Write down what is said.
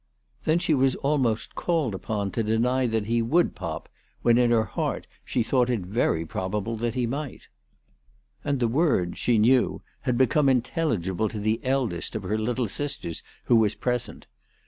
Then she was almost called upon to deny that he would " pop," when in her heart she thought it 330 ALICE DUGDALE. very probable that lie might. And tlie word, she knew, had become intelligible to the eldest of her little sisters who was present.